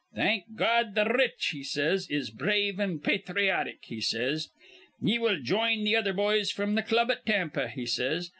'Thank Gawd, th' r rich,' he says, 'is brave an' pathriotic,' he says. 'Ye will jine th' other boys fr'm th' club at Tampa,' he says.